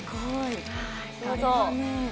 どうぞ。